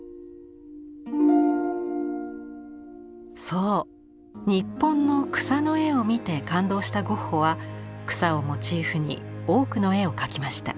そう日本の「草の絵」を見て感動したゴッホは「草」をモチーフに多くの絵を描きました。